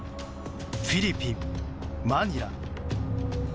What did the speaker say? フィリピン・マニラ。